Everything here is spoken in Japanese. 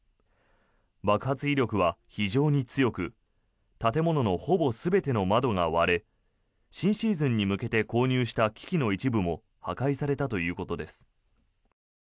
爆発威力は非常に強く建物のほぼ全ての窓が割れ新シーズンに向けて購入した機器の一部も破壊されたということです。